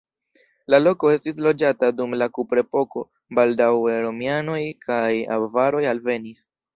La loko estis loĝata dum la kuprepoko, baldaŭe romianoj kaj avaroj alvenis.